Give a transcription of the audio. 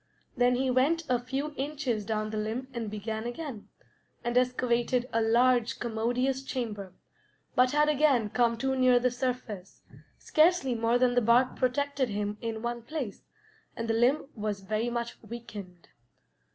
Then he went a few inches down the limb and began again, and excavated a large, commodious chamber, but had again come too near the surface; scarcely more than the bark protected him in one place, and the limb was very much weakened.